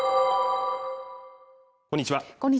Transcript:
こんにちは